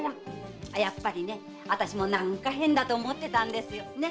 やっぱりね私も何か変だと思ってたんですよね？